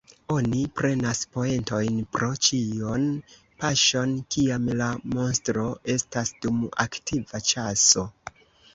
Oni prenas poentojn pro ĉion paŝon kiam la monstro estas dum aktiva ĉaso.